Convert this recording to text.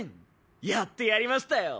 やってやりましたよ。